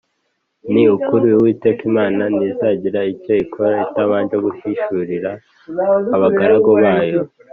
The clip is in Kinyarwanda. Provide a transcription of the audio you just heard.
Ni ukuri Uwiteka Imana ntizagira icyo ikora itabanje guhishurira abagaragu bayo